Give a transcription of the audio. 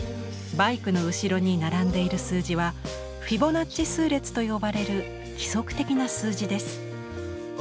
バイクの後ろに並んでいる数字は「フィボナッチ数列」と呼ばれる規則的な数字です。